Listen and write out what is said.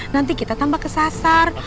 nanti kita tambah ke sasar